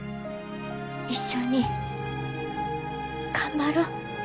一緒に頑張ろ。